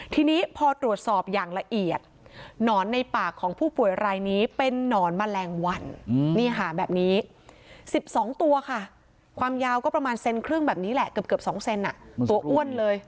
ทีนี้พอตรวจสอบอย่างละเอียดหนอนในปากของผู้ป่วยรายนี้เป็นนอนแมลงวันนี่ค่ะแบบนี้๑๒ตัวค่ะความยาวก็ประมาณเซนครึ่งแบบนี้แหละเกือบ๒เซนตัวอ้วนเลย